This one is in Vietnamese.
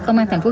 công an tp hcm